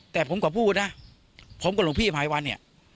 แต่ผมก็พูดนะผมกับโรงพิศภายวัน